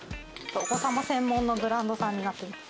お子さま専門のブランドさんになってます。